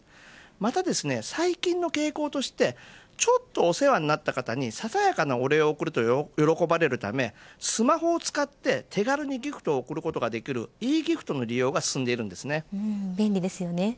また最近の傾向としてちょっとお世話になった方にささやかなお礼を贈ると喜ばれるためスマホを使って手軽にギフトを贈ることができるｅギフトの利用が便利ですよね。